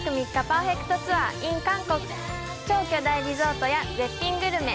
パーフェクトツアーｉｎ韓国超巨大リゾートや絶品グルメ